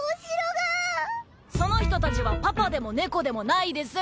その人たちはパパでも猫でもないです。